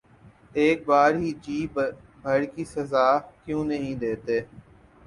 اک بار ہی جی بھر کے سزا کیوں نہیں دیتے